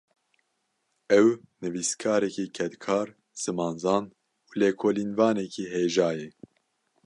Ew, nivîskarekî kedkar, zimanzan û lêkolînvanekî hêja ye